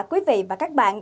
quý vị và các bạn